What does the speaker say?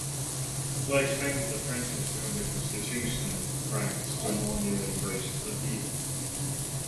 They expanded the franchise beyond the Constitutional requirement to more nearly embrace "the people".